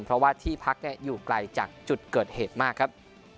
เพราะว่าที่พักอยู่ไกลจากจุดเกิดเหตุมากครับ